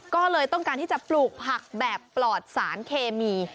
ก็เลยต้องการที่จะปลูกผักแบบปลอดสารเคมี